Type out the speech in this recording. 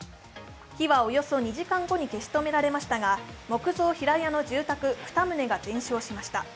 火はおよそ２時間後に消し止められましたが、木造平屋の住宅２棟が全焼しました。